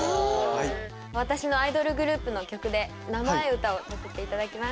私のアイドルグループの曲で名前歌をさせて頂きます。